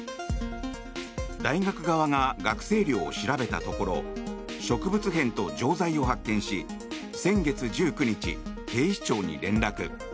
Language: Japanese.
大学側が学生寮を調べたところ植物片と錠剤を発見し先月１９日、警視庁に連絡。